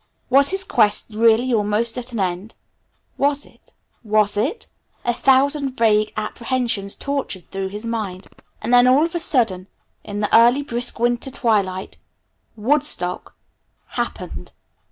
Was his quest really almost at an end? Was it was it? A thousand vague apprehensions tortured through his mind. And then, all of a sudden, in the early, brisk winter twilight, Woodstock happened!